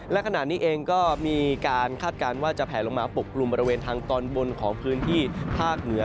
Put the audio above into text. และขณะนี้เองก็มีการคาดการณ์ว่าจะแผลลงมาปกกลุ่มบริเวณทางตอนบนของพื้นที่ภาคเหนือ